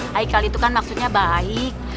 haikal itu kan maksudnya baik